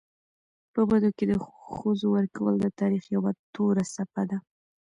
په بدو کي د ښځو ورکول د تاریخ یوه توره څپه ده.